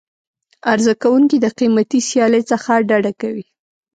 عرضه کوونکي د قیمتي سیالۍ څخه ډډه کوي.